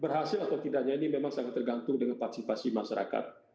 berhasil atau tidaknya ini memang sangat tergantung dengan partisipasi masyarakat